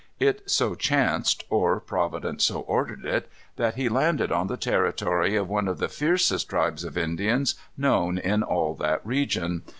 It so chanced, or Providence so ordered it, that he landed on the territory of one of the fiercest tribes of Indians known in all that region.